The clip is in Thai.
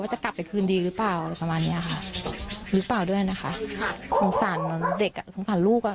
หรือเปล่าด้วยนะคะสงสารเด็กอะสงสารลูกอะ